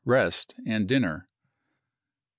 Rest and dinner. 12.